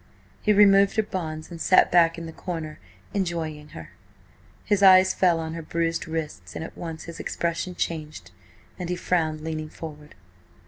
He removed her bonds and sat back in the corner, enjoying her. His eyes fell on her bruised wrists, and at once his expression changed, and he frowned, leaning forward.